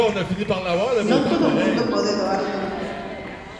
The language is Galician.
Non todo o mundo pode doar sempre.